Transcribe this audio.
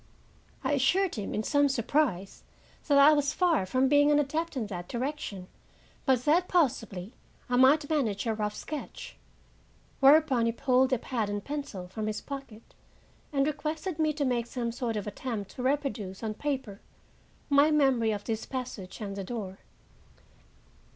I assured him, in some surprise, that I was far from being an adept in that direction, but that possibly I might manage a rough sketch; whereupon he pulled a pad and pencil from his pocket and requested me to make some sort of attempt to reproduce, on paper, my memory of this passage and the door.